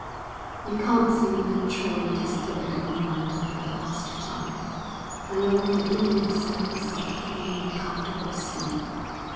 'You can't think what a joy it is to look upon London for the last time. I long for the infinite surface of the clean and comfortable sea.'